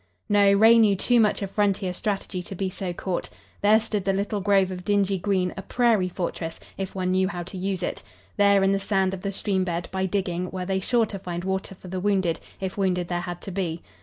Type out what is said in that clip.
No, Ray knew too much of frontier strategy to be so caught. There stood the little grove of dingy green, a prairie fortress, if one knew how to use it. There in the sand of the stream bed, by digging, were they sure to find water for the wounded, if wounded there had to be.